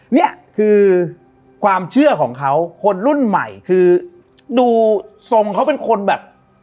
นี่คือความเชื่อของเขาคนรุ่นใหม่คือดูทรงเขาเป็นคนแบบ